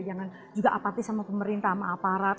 jangan juga apatis sama pemerintah sama aparat